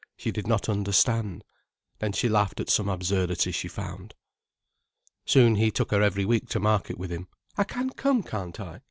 She did not understand. Then she laughed at some absurdity she found. Soon he took her every week to market with him. "I can come, can't I?"